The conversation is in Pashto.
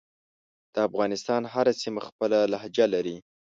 دافغانستان هره سیمه خپله لهجه لری